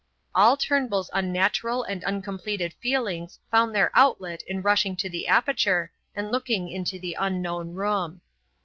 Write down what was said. All Turnbull's unnatural and uncompleted feelings found their outlet in rushing to the aperture and looking into the unknown room.